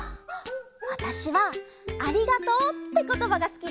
わたしは「ありがとう」ってことばがすきだな。